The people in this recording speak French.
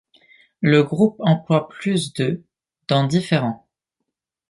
Le groupe emploie plus de dans différents.